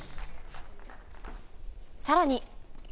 さらに。